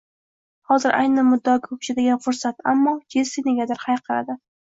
Hozir ayni muddaoga ko`chadigan fursat, ammo Jessi negadir hayiqardi